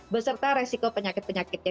beserta resiko penyakit penyakitnya